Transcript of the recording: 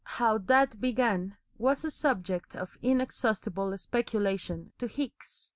How THAT began was a subject of inexhaustible speculation to Hicks.